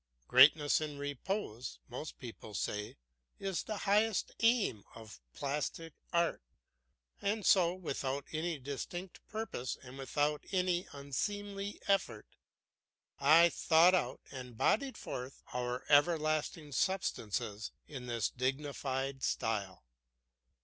Greatness in repose, most people say, is the highest aim of plastic art. And so, without any distinct purpose and without any unseemly effort, I thought out and bodied forth our everlasting substances in this dignified style.